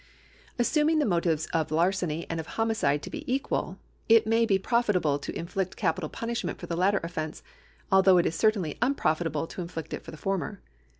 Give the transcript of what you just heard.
Assuming the motives of larceny and of homicide to be equal, it may be profitable to inflict 380 LIABILITY (CONTINUED) [§150 capital piini.shment for the latter offence, although it is cer tainly unprofitable to inflict it for the former.